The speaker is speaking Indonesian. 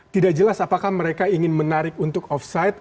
tidak jelas apakah mereka ingin menarik untuk offside